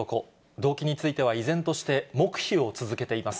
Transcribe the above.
動機については依然として黙秘を続けています。